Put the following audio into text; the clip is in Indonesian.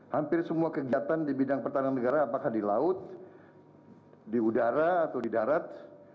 hampir semua kegiatan di bidang pertahanan negara apakah di laut di udara atau di darat